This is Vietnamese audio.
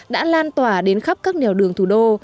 đã lan tỏa đến khắp các nẻo đường thủ đô